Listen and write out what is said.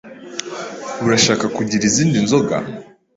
Urashaka kugira izindi nzoga?